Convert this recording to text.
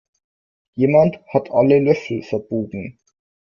Jemand hat alle Löffel verbogen.